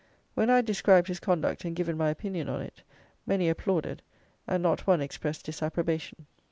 When I had described his conduct, and given my opinion on it, many applauded, and not one expressed disapprobation.